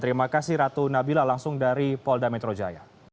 terima kasih ratu nabila langsung dari polda metro jaya